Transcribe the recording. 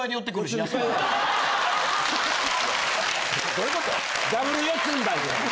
どういうこと？